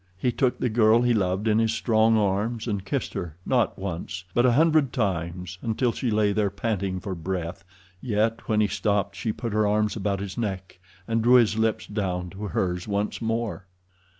He took the girl he loved in his strong arms, and kissed her not once, but a hundred times, until she lay there panting for breath; yet when he stopped she put her arms about his neck and drew his lips down to hers once more.